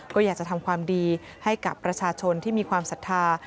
ก็อยากจะทำความดีให้กับประชาชนที่มีความศรัทธา